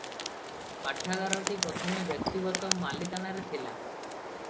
ପାଠାଗାରଟି ପ୍ରଥମେ ବ୍ୟକ୍ତିଗତ ମାଲିକାନାରେ ଥିଲା ।